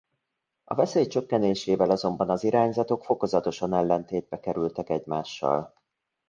A veszély csökkenésével azonban az irányzatok fokozatosan ellentétbe kerültek egymással.